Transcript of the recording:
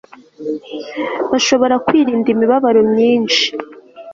bashobora kwirinda imibabaro myinshi